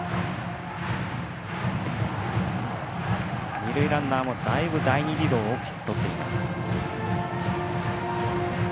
二塁ランナーも、だいぶリードを大きく取っています。